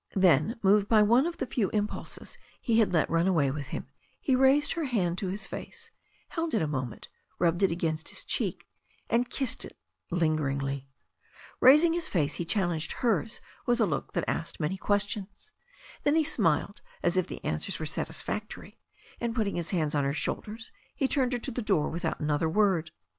Then, moved by one of the few impulses he had let run away with him, he raised her hand to his face, held it a moment, rubbed it against his cheek, and kissed it lingeringly. Raising his face, his eyes challenged hers with a look that asked many questions. Then he smiled as if the answers were satisfactory, and putting his hands on her shoulders, he turned her to the door without another word.